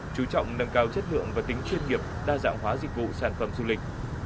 chú trọng nâng cao chất lượng và tính chuyên nghiệp đa dạng hóa dịch vụ sản phẩm du lịch